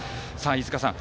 飯塚さん